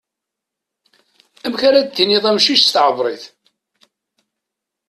Amek ara d-tiniḍ amcic s tɛebrit?